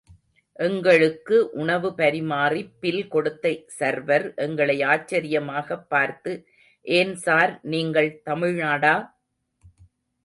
எங்களுக்கு உணவு பரிமாறி பில் கொடுத்த சர்வர் எங்களை ஆச்சரியமாகப் பார்த்து ஏன் சார் நீங்கள் தமிழ்நாடா?